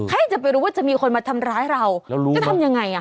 ใครจะไปรู้ว่าจะมีคนมาทำร้ายเราก็ทำยังไง